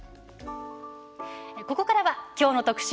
ここからはきょうの特集